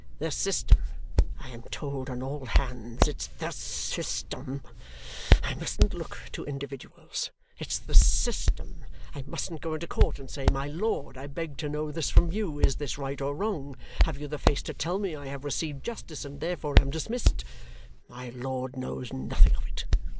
"The system! I am told on all hands, it's the system. I mustn't look to individuals. It's the system. I mustn't go into court and say, 'My Lord, I beg to know this from you is this right or wrong? Have you the face to tell me I have received justice and therefore am dismissed?' My Lord knows nothing of it.